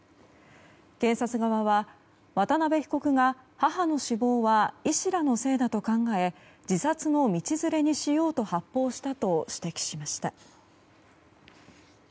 検察側は渡邊被告が母の死亡は医師らのせいだと考え自殺の道連れにしようと発砲したと指摘しました。